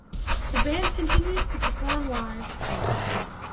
The band continues to perform live.